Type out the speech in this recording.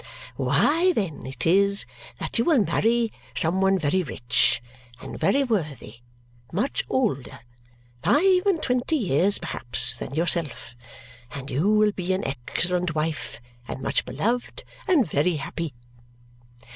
"Why, then, it is that you will marry some one very rich and very worthy, much older five and twenty years, perhaps than yourself. And you will be an excellent wife, and much beloved, and very happy."